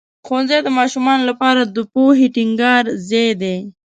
ښوونځی د ماشومانو لپاره د پوهې ټینګار ځای دی.